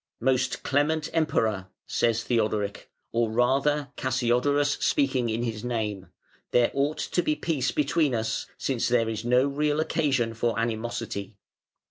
"Most clement Emperor", says Theodoric, or rather Cassiodorus speaking in his name, "there ought to be peace between us since there is no real occasion for animosity.